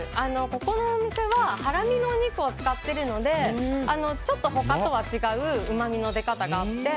ここのお店はハラミのお肉を使っているのでちょっと他とは違ううまみの出方があって。